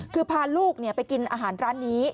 คือพาลูกไปกินอาหารร้านนี้